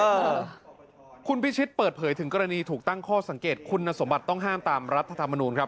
เออคุณพิชิตเปิดเผยถึงกรณีถูกตั้งข้อสังเกตคุณสมบัติต้องห้ามตามรัฐธรรมนูลครับ